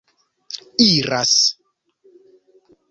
iras